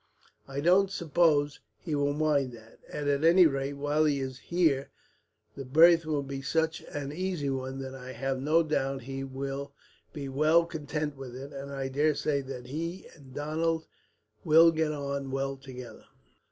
"I don't suppose he will mind that; and at any rate, while he is here the berth will be such an easy one that I have no doubt he will be well content with it, and I daresay that he and Donald will get on well together.